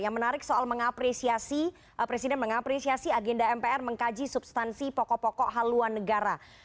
yang menarik soal mengapresiasi presiden mengapresiasi agenda mpr mengkaji substansi pokok pokok haluan negara